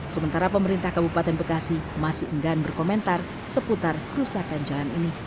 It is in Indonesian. sementara pemerintah kabupaten bekasi masih enggan berkomentar seputar kerusakan jalan ini